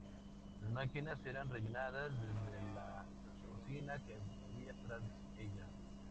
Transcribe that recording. Las máquinas eran rellenadas desde la cocina que había tras ellas.